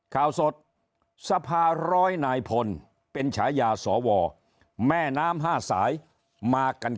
ข่าวสดสภาร้อยนายพลเป็นฉายาสวแม่น้ำ๕สายมากัน